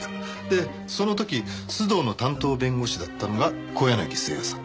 でその時須藤の担当弁護士だったのが小柳征矢さん。